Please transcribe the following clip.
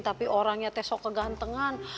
tapi orangnya teh sok kegantengan